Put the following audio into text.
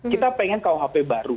kita pengen rkuhp baru